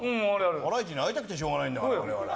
ハライチに会いたくてしょうがないんですから。